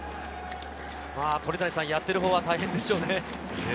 やっているほうは大変でしょうね。